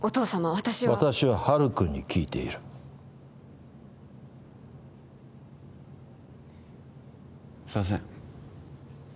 私は私はハルくんに聞いているさあせん